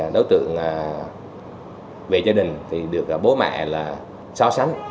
đối tượng về gia đình được bố mẹ so sánh